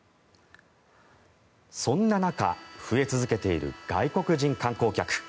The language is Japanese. そんな中、増え続けている外国人観光客。